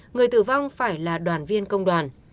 người tử vong phải là đoàn viên công đoàn